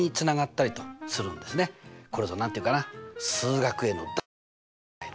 これぞ何て言うかな「数学Ａ」の醍醐味みたいなね。